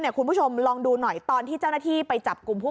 คุณผู้ชมลองดูหน่อยตอนที่เจ้าหน้าที่ไปจับกลุ่มผู้